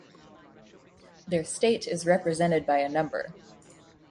Their state is represented by a number.